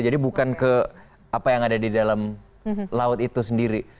jadi bukan ke apa yang ada di dalam laut itu sendiri